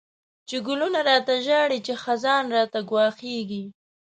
چی ګلونه ړاته ژاړی، چی خزان راته ګواښيږی